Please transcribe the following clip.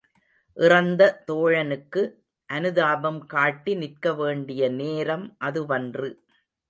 இறந்த தோழனுக்கு அனுதாபம் காட்டி நிற்கவேண்டிய நேரம் அதுவன்று.